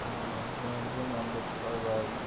তিনি একজন আম্বেদকর বাদী।